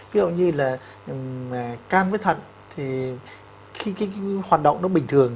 ví dụ như là can với thận thì hoạt động nó bình thường